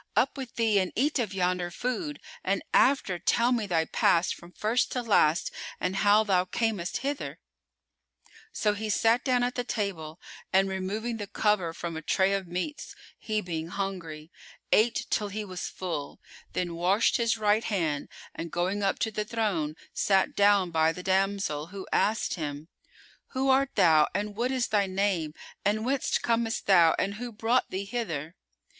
Up with thee and eat of yonder food, and after tell me thy past from first to last and how thou camest hither." So he sat down at the table and removing the cover from a tray of meats (he being hungry), ate till he was full; then washed his right hand and going up to the throne, sat down by the damsel who asked him, "Who art thou and what is thy name and whence comest thou and who brought thee hither?"